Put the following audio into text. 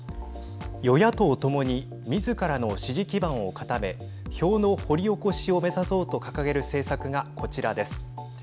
与野党ともにみずからの支持基盤を固め票の掘り起こしを目指そうと掲げる政策がこちらです。